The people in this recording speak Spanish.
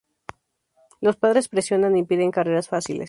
Los padres presionan y piden carreras fáciles...